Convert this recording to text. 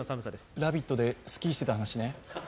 「ラヴィット！」でスキーしてた話ね？